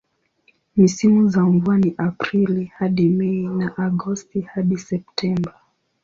Misimu za mvua ni Aprili hadi Mei na Agosti hadi Septemba.